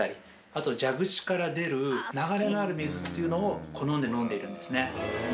あと蛇口から出る流れのある水っていうのを好んで飲んでいるんですね。